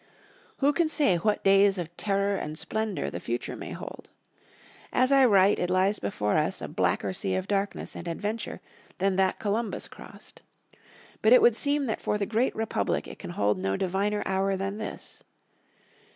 Who can say what days of terror and splendour the future may hold? As I write it lies before us a blacker sea of darkness and adventure than that Columbus crossed. But it would seem that for the great Republic it can hold no diviner hour than this.